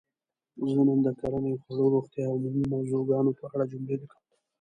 زه نن د کرنې ؛ خوړو؛ روغتیااو عمومي موضوع ګانو په اړه جملې لیکم.